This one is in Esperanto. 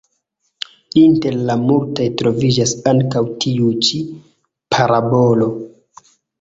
Inter la multaj troviĝas ankaŭ tiu ĉi parabolo.